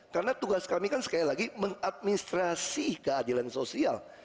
karena tugas kami kan sekali lagi mengadministrasi keadilan sosial